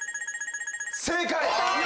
正解！